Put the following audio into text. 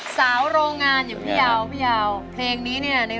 สาวโรงงานหรือยังพี่ยาว